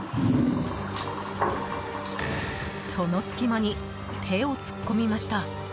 その隙間に手を突っ込みました。